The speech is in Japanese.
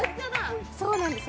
そうなんです